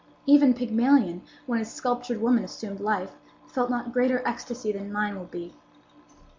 Even Pygmalion, when his sculptured woman assumed life, felt not greater ecstasy than mine will be."